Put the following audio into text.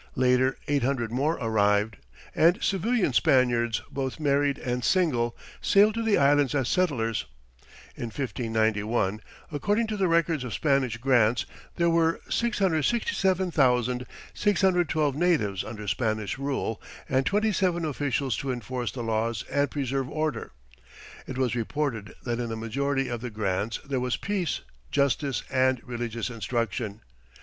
Later eight hundred more arrived, and civilian Spaniards, both married and single, sailed to the Islands as settlers. In 1591, according to the records of Spanish grants, there were 667,612 natives under Spanish rule, and twenty seven officials to enforce the laws and preserve order. It was reported that in a majority of the grants there was peace, justice and religious instruction.